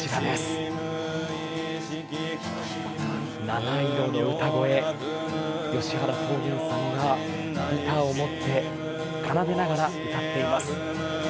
七色の歌声、吉原東玄さんがギターを持って奏でながら歌っています。